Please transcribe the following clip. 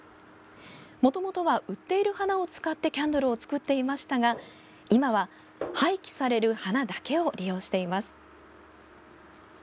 もともとは売っている花を使ってキャンドルを作っていましたが今は、廃棄される花だけを利用しています。